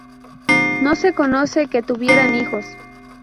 No se conoce que tuvieran hijos.